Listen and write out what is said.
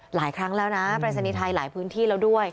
หลายครั้งแล้วนะปรายศนีย์ไทยหลายพื้นที่แล้วด้วย